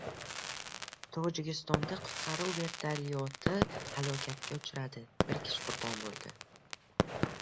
Tojikistonda qutqaruv vertolyoti halokatga uchradi: bir kishi qurbon bo‘ldi